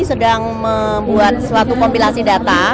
sedang membuat suatu kompilasi data